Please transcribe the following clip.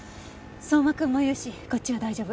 相馬君もいるしこっちは大丈夫。